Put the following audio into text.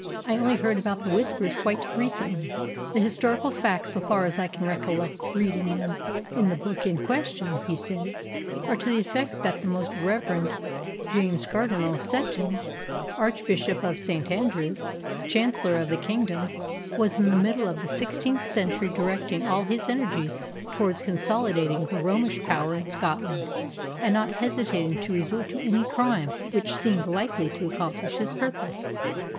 I only heard about the Whispers quite recently." "The historical facts, so far as I can recollect reading them in the book in question," he said, "are to the effect that the Most Reverend James Cardinal Setoun, Archbishop of St. Andrews, Chancellor of the Kingdom, was in the middle of the sixteenth century directing all his energies towards consolidating the Romish power in Scotland, and not hesitating to resort to any crime which seemed likely to accomplish his purpose.